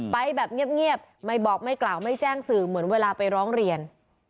ไปแบบเงียบไม่บอกไม่กล่าวไม่แจ้งสื่อเหมือนเวลาไปร้องเรียน